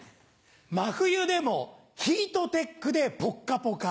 真冬でもヒートテックでぽっかぽか。